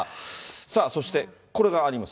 さあ、そして、これがあります。